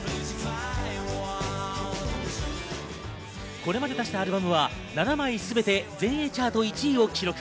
これまで出したアルバムは７枚すべて全英チャート１位を記録。